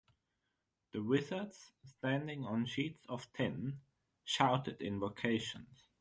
The wizards, standing on sheets of tin, shouted invocations.